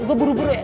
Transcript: gue buru buru ya